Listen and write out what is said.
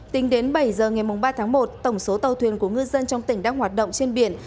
tính đến bảy h ngày ba tháng một tổng số tàu thuyền của ngư dân trong tỉnh đang hoạt động trên biển